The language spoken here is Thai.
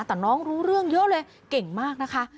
แต่น้องรู้เรื่องเยอะเลยเก่งมากนะคะ